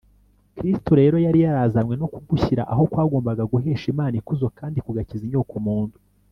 kristo rero yari yarazanywe no kugushyira aho kwagombaga guhesha imana ikuzo kandi kugakiza inyokomuntu